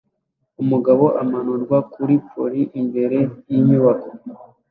Umugabo amanurwa kuri pulley imbere yinyubako